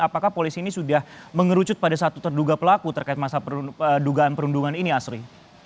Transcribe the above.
apakah polisi ini sudah mengerucut pada satu terduga pelaku terkait masa dugaan perundungan ini asri